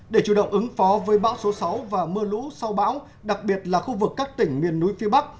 để chủ động ứng phó với bão số sáu và mưa lũ sau bão đặc biệt là khu vực các tỉnh miền núi phía bắc